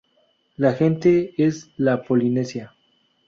La gente es la Polinesia.